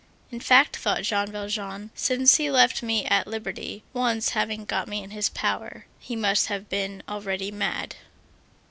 —"In fact," thought Jean Valjean, "since he left me at liberty, once having got me in his power, he must have been already mad."